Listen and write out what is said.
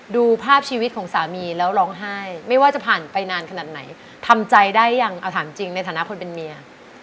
ดูภาพชีวิตของสามีแล้วร้องไห้ไม่ว่าจะผ่านไปนานขนาดไหนทำใจได้ยังเอาถามจริงในฐานะคนเป็นเมีย